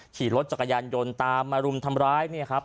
ขี่รถจักรยานยนต์ตามมารุมทำร้ายเนี่ยครับ